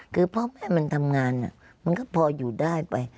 คือพ่อแม่มันทำงานมันก็พออยู่ได้ไป